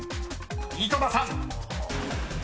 ［井戸田さん］